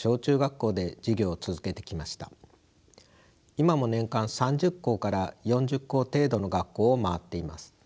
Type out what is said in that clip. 今も年間３０校から４０校程度の学校を回っています。